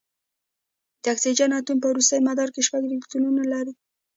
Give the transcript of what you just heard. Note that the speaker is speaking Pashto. د اکسیجن اتوم په وروستي مدار کې شپږ الکترونونه لري.